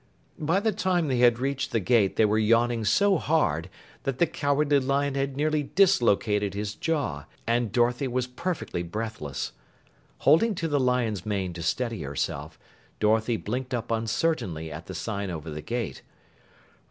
By the time they had reached the gate, they were yawning so hard that the Cowardly Lion had nearly dislocated his jaw, and Dorothy was perfectly breathless. Holding to the lion's mane to steady herself, Dorothy blinked up uncertainly at the sign over the gate.